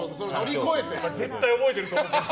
絶対覚えてると思う。